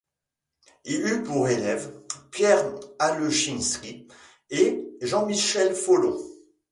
Il eut pour élève, Pierre Alechinsky et Jean-Michel Folon.